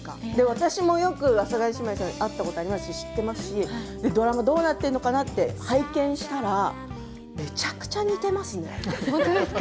私もよく阿佐ヶ谷姉妹さんに会ったことありますし知っていますしドラマどうなっているのかなと拝見したら本当ですか？